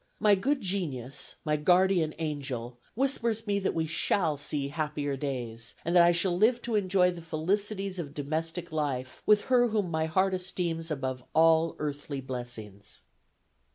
My good genius, my guardian angel, whispers me that we shall see happier days, and that I shall live to enjoy the felicities of domestic life with her whom my heart esteems above all earthly blessings."